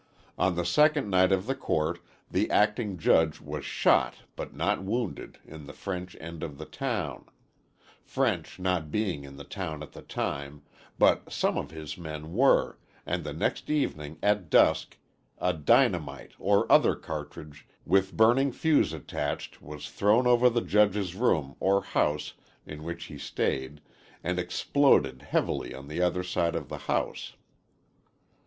On the second night of the Court, the acting judge was shot but not wounded (?) in the French end of the town, French not being in the town at the time, but some of his men were and the next evening at dusk a "dinamite" or other cartridge with burning fuse attached was thrown over the judge's room or house in which he stayed and exploded heavily on the other side of the house.